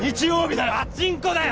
パチンコだよ！